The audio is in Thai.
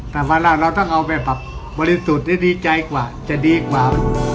แต่วันล่างเราต้องเอาไปแบบบริสุทธิ์ได้ดีใจกว่าจะดีกว่า